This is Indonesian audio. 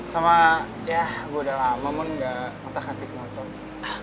sama ya gue udah lama mon gak otak atik nonton